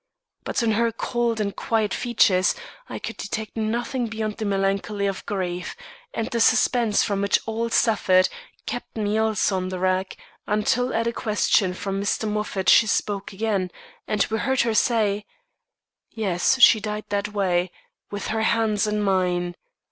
But, in her cold and quiet features, I could detect nothing beyond the melancholy of grief; and the suspense from which all suffered, kept me also on the rack, until at a question from Mr. Moffat she spoke again, and we heard her say: "Yes, she died that way, with her hands in mine.